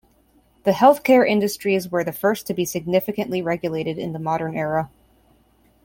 The healthcare industries were the first to be significantly regulated in the modern era.